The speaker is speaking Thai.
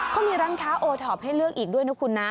เขามีร้านค้าโอท็อปให้เลือกอีกด้วยนะคุณนะ